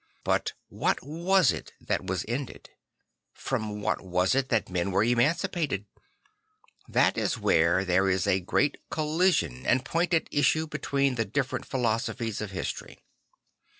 But what was it that was ended? From what was it that men were emancipated? That is where there is a real collision and point at issue bet\veen the different philosophies of history.